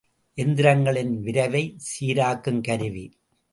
எந்திரங்களின் விரைவைச் சீராக்குங் கருவி.